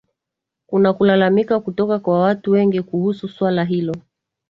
kuna kulalamika kutoka kwa watu wengi kuhusu swala hilo